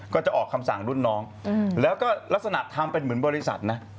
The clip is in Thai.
ก็จะออกคำสั่งรุ่นน้องแล้วก็ลักษณะทำเป็นเหมือนบริษัทนะ